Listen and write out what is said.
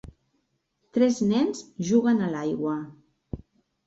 Tres nens juguen a l'aigua.